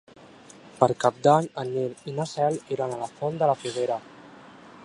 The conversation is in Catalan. Per Cap d'Any en Nil i na Cel iran a la Font de la Figuera.